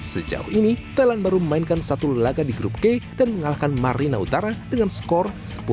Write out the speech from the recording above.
sejauh ini thailand baru memainkan satu laga di grup k dan mengalahkan marina utara dengan skor sepuluh